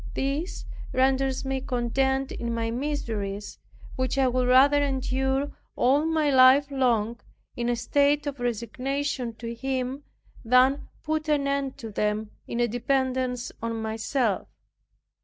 This renders me content in my miseries, which I would rather endure all my life long, in a state of resignation to Him, than put an end to them, in a dependence on myself.